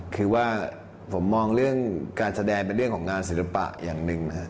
คือว่าผมมองเรื่องการแสดงเป็นเรื่องของงานศิลปะอย่างหนึ่งนะครับ